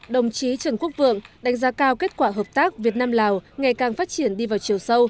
đồng chí trần quốc vượng đánh giá cao kết quả hợp tác việt nam lào ngày càng phát triển đi vào chiều sâu